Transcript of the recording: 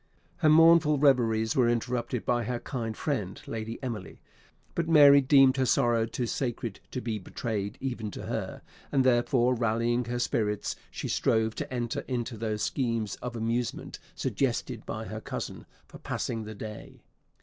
Her mournful reveries were interrupted by her kind friend Lady Emily; but Mary deemed her sorrow too sacred to be betrayed even to her, and therefore rallying her spirits, she strove to enter into those schemes of amusement suggested by her cousin for passing the day.